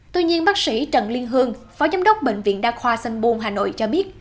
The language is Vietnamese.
tuy nhiên bác sĩ trần liên hương phó giám đốc bệnh viện đa khoa sanh bôn hà nội cho biết